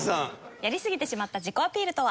やりすぎてしまった自己アピールとは？